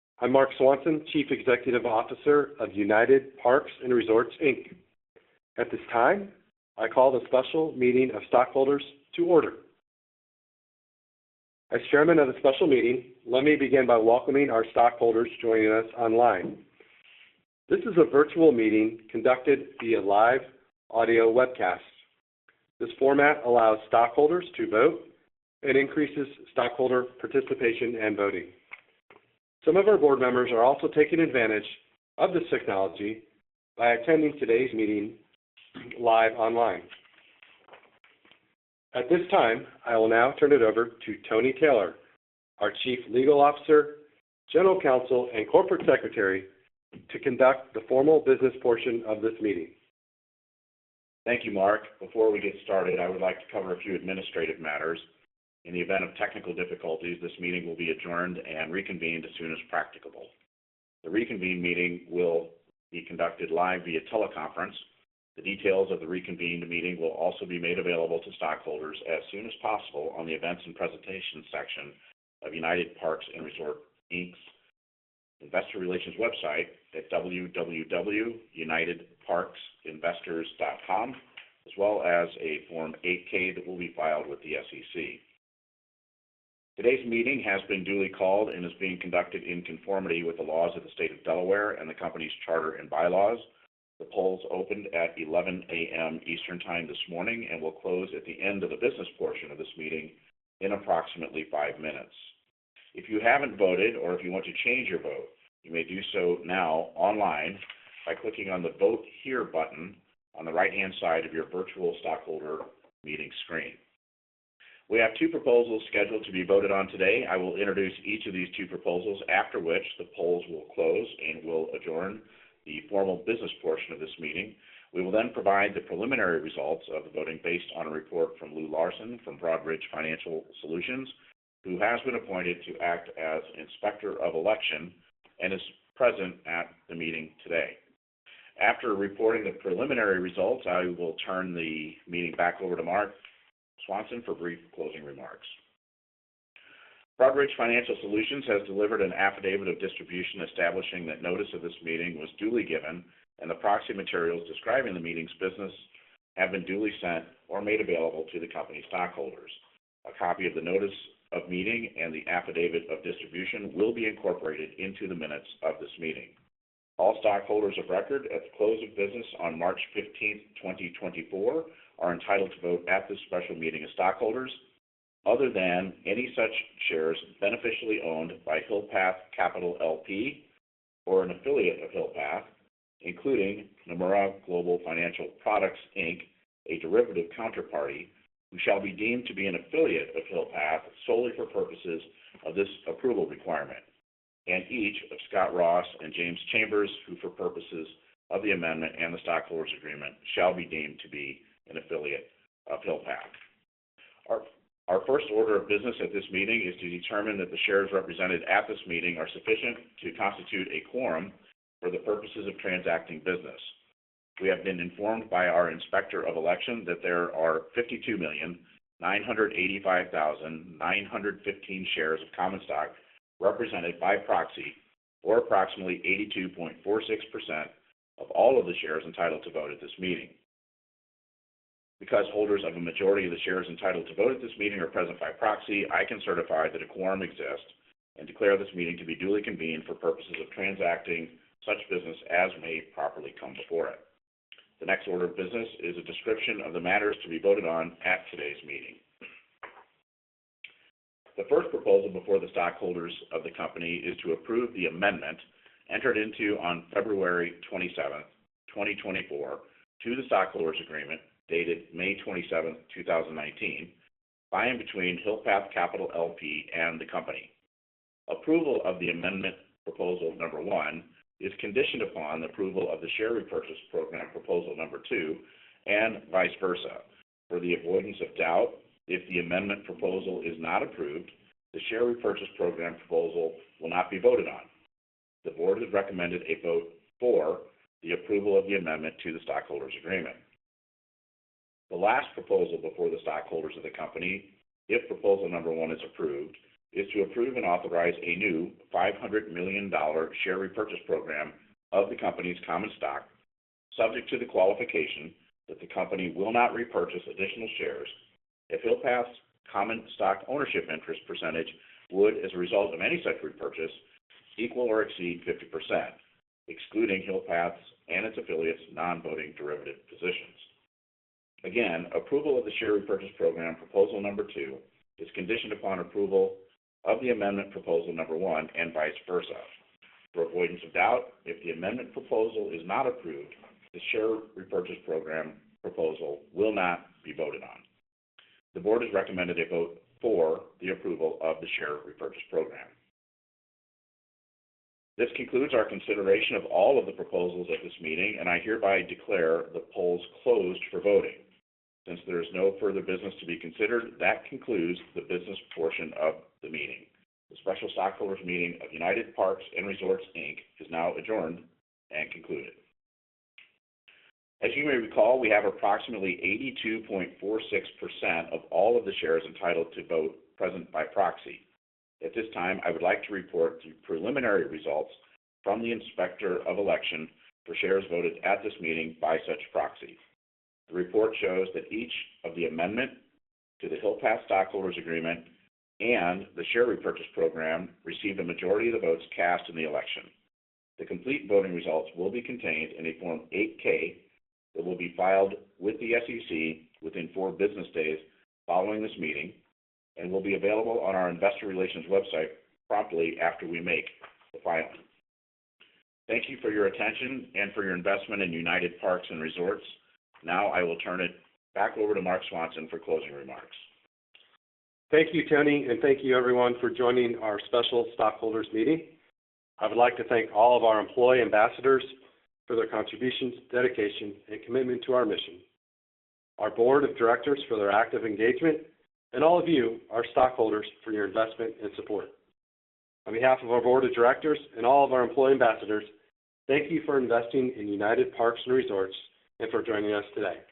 I'm Marc Swanson, Chief Executive Officer of United Parks & Resorts, Inc. At this time, I call the Special Meeting of Stockholders to order. As Chairman of the Special Meeting, let me begin by welcoming our stockholders joining us online. This is a virtual meeting conducted via live audio webcast. This format allows stockholders to vote and increases stockholder participation and voting. Some of our board members are also taking advantage of this technology by attending today's meeting live online. At this time, I will now turn it over to Tony Taylor, our Chief Legal Officer, General Counsel, and Corporate Secretary, to conduct the formal business portion of this meeting. Thank you, Marc. Before we get started, I would like to cover a few administrative matters. In the event of technical difficulties, this meeting will be adjourned and reconvened as soon as practicable. The reconvened meeting will be conducted live via teleconference. The details of the reconvened meeting will also be made available to stockholders as soon as possible on the events and presentations section of United Parks & Resorts, Inc.'s investor relations website at www.unitedparksinvestors.com, as well as a Form 8-K that will be filed with the SEC. Today's meeting has been duly called and is being conducted in conformity with the laws of the state of Delaware and the company's charter and bylaws. The polls opened at 11:00 A.M. Eastern Time this morning and will close at the end of the business portion of this meeting in approximately five minutes. If you haven't voted or if you want to change your vote, you may do so now online by clicking on the Vote Here button on the right-hand side of your virtual stockholder meeting screen. We have two proposals scheduled to be voted on today. I will introduce each of these two proposals, after which the polls will close and we'll adjourn the formal business portion of this meeting. We will then provide the preliminary results of the voting based on a report from Lou Larson from Broadridge Financial Solutions, who has been appointed to act as inspector of election and is present at the meeting today. After reporting the preliminary results, I will turn the meeting back over to Marc Swanson for brief closing remarks. Broadridge Financial Solutions has delivered an affidavit of distribution establishing that notice of this meeting was duly given and the proxy materials describing the meeting's business have been duly sent or made available to the company's stockholders. A copy of the notice of meeting and the affidavit of distribution will be incorporated into the minutes of this meeting. All stockholders of record at the close of business on March 15th, 2024, are entitled to vote at this special meeting of stockholders other than any such shares beneficially owned by Hill Path Capital, LP, or an affiliate of Hill Path, including Nomura Global Financial Products, Inc., a derivative counterparty, who shall be deemed to be an affiliate of Hill Path solely for purposes of this approval requirement, and each of Scott Ross and James Chambers, who for purposes of the amendment and the stockholders' agreement shall be deemed to be an affiliate of Hill Path. Our first order of business at this meeting is to determine that the shares represented at this meeting are sufficient to constitute a quorum for the purposes of transacting business. We have been informed by our inspector of election that there are 52,985,915 shares of common stock represented by proxy, or approximately 82.46% of all of the shares entitled to vote at this meeting. Because holders of a majority of the shares entitled to vote at this meeting are present by proxy, I can certify that a quorum exists and declare this meeting to be duly convened for purposes of transacting such business as may properly come before it. The next order of business is a description of the matters to be voted on at today's meeting. The first proposal before the stockholders of the company is to approve the amendment entered into on February 27th, 2024, to the stockholders' agreement dated May 27th, 2019, by and between Hill Path Capital, LP, and the company. Approval of the amendment proposal number one is conditioned upon the approval of the share repurchase program proposal number two and vice versa. For the avoidance of doubt, if the amendment proposal is not approved, the share repurchase program proposal will not be voted on. The board has recommended a vote for the approval of the amendment to the stockholders' agreement. The last proposal before the stockholders of the company, if proposal number one is approved, is to approve and authorize a new $500 million share repurchase program of the company's common stock, subject to the qualification that the company will not repurchase additional shares if Hill Path's common stock ownership interest percentage would, as a result of any such repurchase, equal or exceed 50%, excluding Hill Path's and its affiliates' non-voting derivative positions. Again, approval of the share repurchase program proposal number two is conditioned upon approval of the amendment proposal number one and vice versa. For avoidance of doubt, if the amendment proposal is not approved, the share repurchase program proposal will not be voted on. The board has recommended a vote for the approval of the share repurchase program. This concludes our consideration of all of the proposals at this meeting, and I hereby declare the polls closed for voting. Since there is no further business to be considered, that concludes the business portion of the meeting. The special stockholders' meeting of United Parks & Resorts, Inc., is now adjourned and concluded. As you may recall, we have approximately 82.46% of all of the shares entitled to vote present by proxy. At this time, I would like to report the preliminary results from the inspector of election for shares voted at this meeting by such proxy. The report shows that each of the amendment to the Hill Path stockholders' agreement and the share repurchase program received a majority of the votes cast in the election. The complete voting results will be contained in a Form 8-K that will be filed with the SEC within four business days following this meeting and will be available on our investor relations website promptly after we make the filing. Thank you for your attention and for your investment in United Parks & Resorts. Now I will turn it back over to Marc Swanson for closing remarks. Thank you, Tony, and thank you, everyone, for joining our special stockholders' meeting. I would like to thank all of our employee ambassadors for their contributions, dedication, and commitment to our mission, our board of directors for their active engagement, and all of you, our stockholders, for your investment and support. On behalf of our board of directors and all of our employee ambassadors, thank you for investing in United Parks & Resorts and for joining us today.